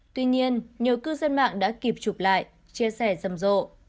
tuy nhiên nhiều cư dân mạng đã kịp chụp lại chia sẻ rầm rộ